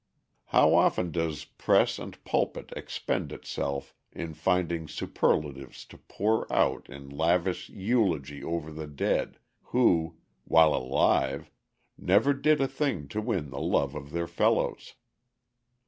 How often does press and pulpit expend itself in finding superlatives to pour out in lavish eulogy over the dead, who, while alive, never did a thing to win the love of their fellows.